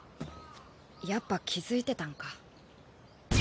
やっぱ気づいてたんか。